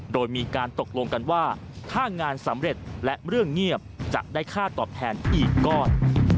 โดยมีการตกลงกันว่าถ้างานสำเร็จและเรื่องเงียบจะได้ค่าตอบแทนอีกก้อน